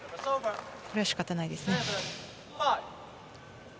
これは仕方ないですね。